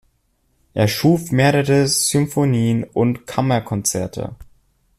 Er schuf mehrere Symphonien und Kammerkonzerte.